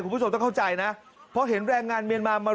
คุณผู้ชมต้องเข้าใจนะเพราะเห็นแรงงานเมียนมามา